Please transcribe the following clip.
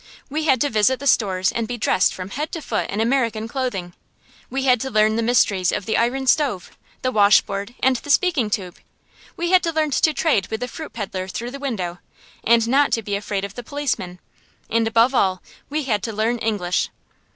We had to visit the stores and be dressed from head to foot in American clothing; we had to learn the mysteries of the iron stove, the washboard, and the speaking tube; we had to learn to trade with the fruit peddler through the window, and not to be afraid of the policeman; and, above all, we had to learn English.